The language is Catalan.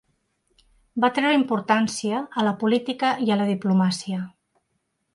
Va treure importància a la política i a la diplomàcia.